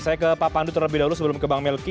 saya ke pak pandu terlebih dahulu sebelum ke bang melki